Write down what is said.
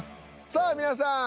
さあ皆さん